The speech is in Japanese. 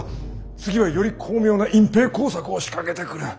次はより巧妙な隠蔽工作を仕掛けてくる。